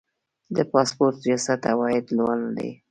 د پاسپورت ریاست عواید لوړ دي